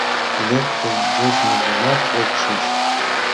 Лектын вочмыжымат ок шиж...